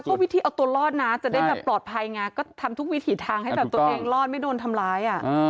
ก็วิธีเอาตัวรอดนะจะได้แบบปลอดภัยไงก็ทำทุกวิถีทางให้แบบตัวเองรอดไม่โดนทำร้าย